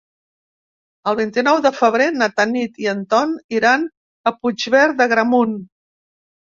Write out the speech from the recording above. El vint-i-nou de febrer na Tanit i en Ton iran a Puigverd d'Agramunt.